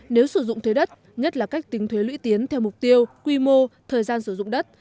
nếu sử dụng thuế đất nhất là cách tính thuế lũy tiến theo mục tiêu quy mô thời gian sử dụng đất